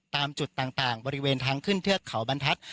ตามจุดต่างบริเวณทางขึ้นเทือกเขาบรรทัศน์